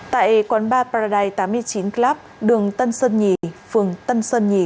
tại quán bar paradise tám mươi chín club đường tân sơn nhì phường tân sơn nhì